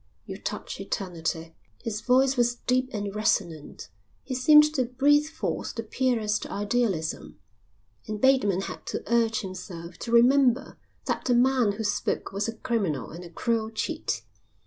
You touch eternity." His voice was deep and resonant. He seemed to breathe forth the purest idealism, and Bateman had to urge himself to remember that the man who spoke was a criminal and a cruel cheat.